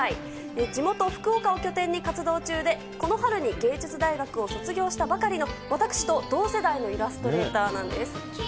地元、福岡を拠点に活動中で、この春に芸術大学を卒業したばかりの私と同世代のイラストレーターなんです。